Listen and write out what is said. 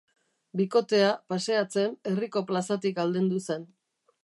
Bikotea, paseatzen, herriko plazatik aldendu zen.